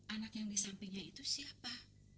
anak yang di sampingnya itu siapa